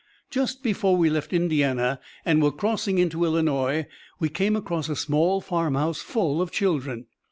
"Just before we left Indiana and were crossing into Illinois we came across a small farmhouse full of children.